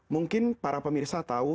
mungkin para pemirsa tahu